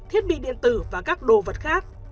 thiết bị điện tử và các đồ vật khác